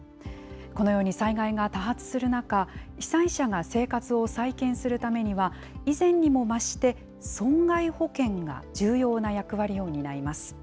このように災害が多発する中、被災者が生活を再建するためには、以前にもまして、損害保険が重要な役割を担います。